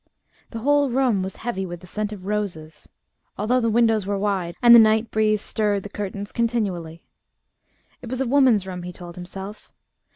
The whole room was heavy with the scent of roses, although the windows were wide, and the night breeze stirred the curtains continually. It was a woman's room, he told himself.